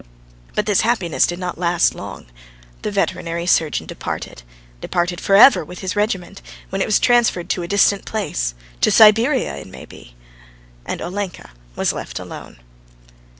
But this happiness did not last long. The veterinary surgeon departed, departed for ever with his regiment, when it was transferred to a distant place to Siberia, it may be. And Olenka was left alone.